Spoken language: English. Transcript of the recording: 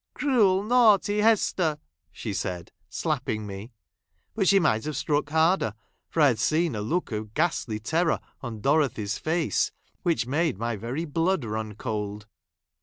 Cruel, naughty Hestei ," she said, slapping me ; but she might have struck harder, for I had seen a look of ghastly terror on Dorothy's face, which made my very blood run cold.